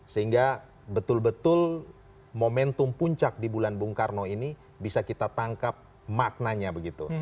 sehingga betul betul momentum puncak di bulan bung karno ini bisa kita tangkap maknanya begitu